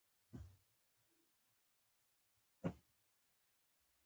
غوږونه د چاپېریال اوازونه ثبتوي